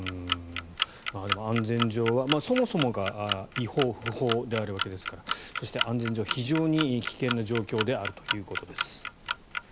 でも安全上はそもそも違法、不法であるわけですからそして、安全上、非常に危険な状況であるということです。